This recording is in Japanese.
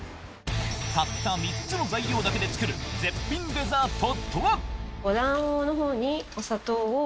たった３つの材料だけで作る絶品デザートとは？